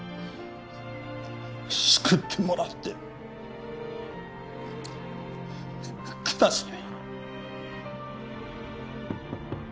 救ってもらってください